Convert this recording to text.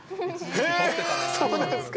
えー、そうなんですか？